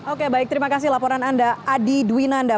oke baik terima kasih laporan anda